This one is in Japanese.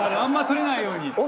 あんま取れないように。